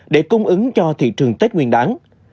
để cung ứng cho thị trường tết nguyên đáng